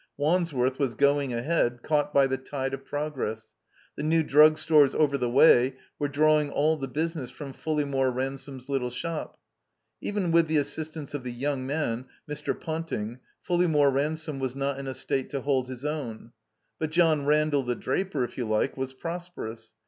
Wandsworth was going ahead, caught by the tide of progress. The new Drug Stores over the way were drawing all the business from Fulleymore Ransome's little shop. Even with the assistance of the young man, Mr. Ponting, Fulle3nnore Ransome was not in a state to hold his own. But John Randall, the draper, if you like, was prosperous.